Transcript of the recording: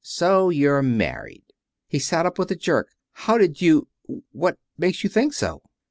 "So you're married." He sat up with a jerk. "How did you what makes you think so?"